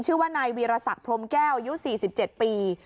ชื่อว่านายวีรศักดิ์พรมแก้วอายุ๔๗ปี